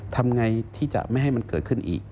ทำไงที่จะไม่ให้มันเกิดขึ้นอีก